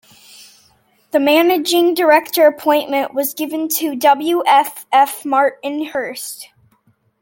The managing director appointment was given to W F F Martin-Hurst.